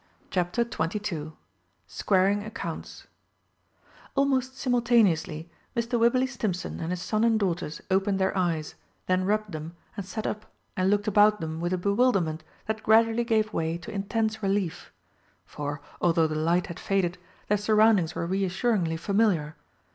CHAPTER XXII SQUARING ACCOUNTS Almost simultaneously Mr. Wibberley Stimpson and his son and daughters opened their eyes, then rubbed them, and sat up and looked about them with a bewilderment that gradually gave way to intense relief. For, although the light had faded, their surroundings were reassuringly familiar.